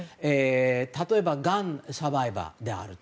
例えばがんサバイバーであると。